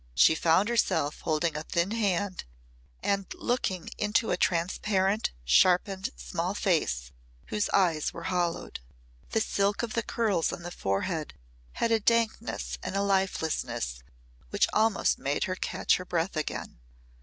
She found herself holding a thin hand and looking into a transparent, sharpened small face whose eyes were hollowed. The silk of the curls on the forehead had a dankness and lifelessness which almost made her catch her breath again.